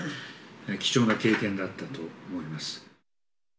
貴重な経験だったと思います。